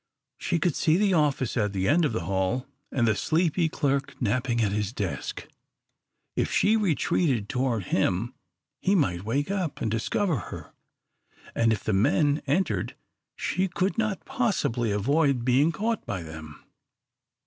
She could see the office at the end of the hall, and the sleepy clerk napping at his desk. If she retreated toward him, he might wake up and discover her, and if the men entered she could not possibly avoid being caught by them.